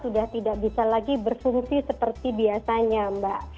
sudah tidak bisa lagi berfungsi seperti biasanya mbak